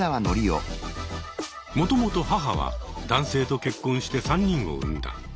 もともと母は男性と結婚して３人を産んだ。